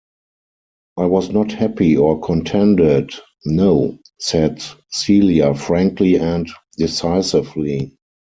"I was not happy or contented — no," said Celia frankly and decisively.